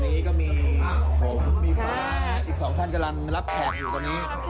นี้ก็มีอีฟังอีกสองท่านจำรับแขกอยู่ตรงนี้